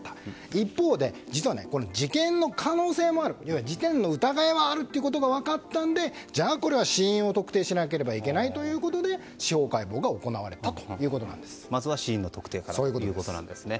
一方で事件の可能性もある要は事件の疑いはあるということが分かったのでじゃあこれは死因を特定しなければいけないということで司法解剖がまずは死因の特定からということですね。